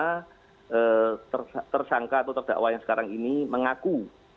ternyata penyidik yang tersangka yang tersangka atau terdakwa yang sekarang ini mengaku